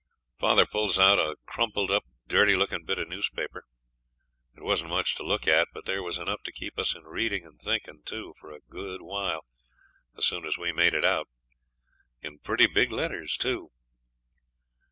Father pulls out a crumpled up dirty lookin' bit of newspaper. It wasn't much to look at; but there was enough to keep us in readin', and thinkin', too, for a good while, as soon as we made it out. In pretty big letters, too.